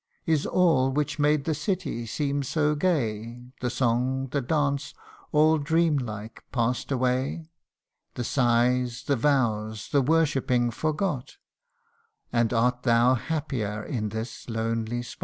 Is all which made the city seem so gay, The song, the dance, all dream like pass'd away ? The sighs, the vows, the worshipping forgot ? And art thou happier in this lonely spot